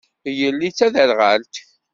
Yelli d taderɣalt.